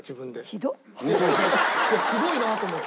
すごいなと思って。